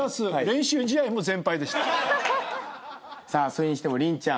それにしても麟ちゃん。